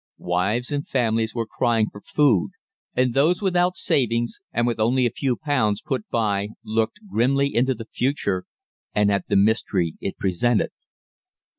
Wives and families were crying for food, and those without savings and with only a few pounds put by looked grimly into the future and at the mystery it presented.